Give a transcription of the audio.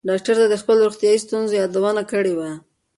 ډاکټر ته یې د خپلو روغتیایي ستونزو یادونه کړې وه.